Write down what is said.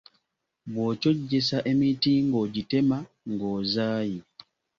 Bw’okyojjesa emiti ng’ogitema ng’ozaaye.